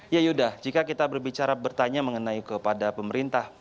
yaudah jika kita berbicara bertanya mengenai kepada pemerintah